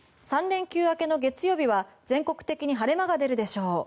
３連休明けの月曜日は全国的に晴れ間が出るでしょう。